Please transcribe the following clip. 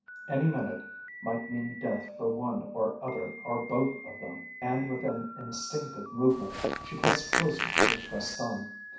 Any minute might mean death for one or other or both of them, and with an instinctive movement she pressed closer to Gaston.